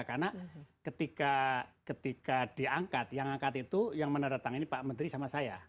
karena ketika diangkat yang diangkat itu yang meneretang ini pt pn pn pn